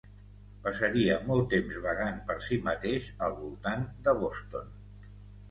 Passaria molt temps vagant per si mateix al voltant de Boston.